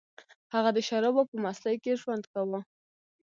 هغه د شرابو په مستۍ کې ژوند کاوه